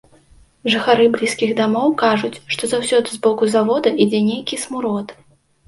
Жыхары блізкіх дамоў кажуць, што заўсёды з боку завода ідзе нейкі смурод.